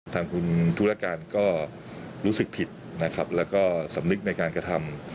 ทางคุณธุรการก็รู้สึกผิดนะครับแล้วก็สำนึกในการกระทำ